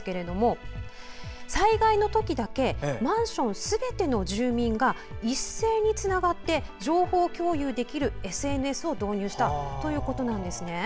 災害のときだけマンションすべての住民が一斉につながって情報共有できるＳＮＳを導入したということなんですね。